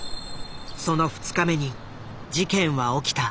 その２日目に事件は起きた。